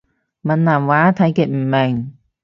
閩南話睇極唔明